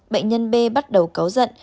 bệnh nhân b bắt đầu cáo giận